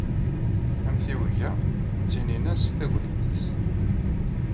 Amtiweg-a ttinin-as Tagnit.